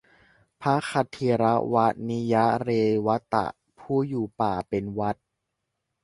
พระขทิรวนิยเรวตะ ผู้อยู่ป่าเป็นวัตร